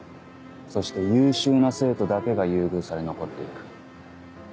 そして優秀な生徒だけが優遇され残って行く。